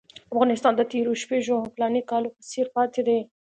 افغانستان د تېرو شپږو اوو فلاني کالو په څېر پاتې دی.